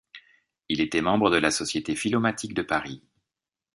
Il était membre de la Société philomathique de Paris.